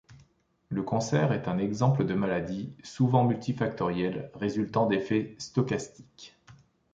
Le cancer est un exemple de maladie, souvent multi-factorielle, résultant d'effets stochastiques.